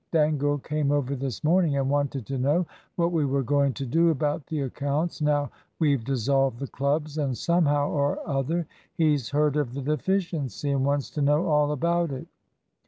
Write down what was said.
Dangle came over this morning, and wanted to know what we were going to do about the accounts, now we've dissolved the clubs; and somehow or other he's heard of the deficiency, and wants to know all about it."